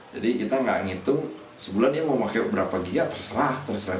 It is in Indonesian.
jadi kita nggak ngitung sebulan ya mau pakai berapa giga terserah terserah